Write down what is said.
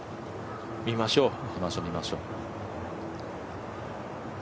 見ましょう。